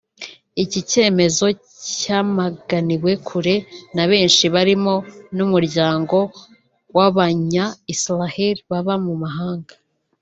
Iki cyemezo cyamaganiwe kure na benshi barimo n’umuryango w’abanya-Israel baba mu mahanga